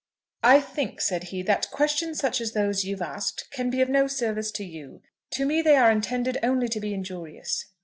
"I think," said he, "that questions such as those you've asked can be of no service to you. To me they are intended only to be injurious."